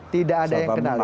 tidak ada yang kenal